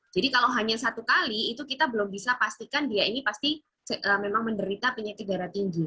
jadi kalau hanya satu kali kita belum bisa pastikan dia ini pasti memang menderita penyakit darah tinggi